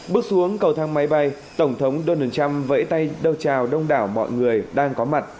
bước xuống cầu thang máy bay tổng thống donald trump vẫy tay đông chào đông đảo mọi người đang có mặt